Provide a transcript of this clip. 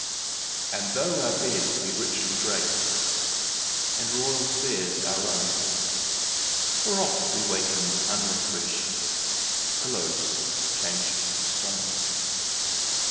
And tho our bed be richly drapedAnd royal fares our own, For oft we waken unrefreshed—The pillow's changed to stone!